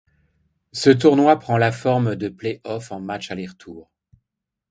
Ce tournoi prend la forme de playoffs en match aller-retour.